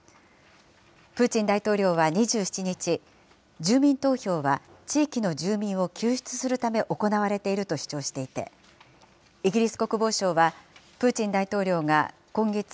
プーチン大統領は２７日、住民投票は地域の住民を救出するため行われていると主張していて、イギリス国防省は、プーチン大統領が今月３０日、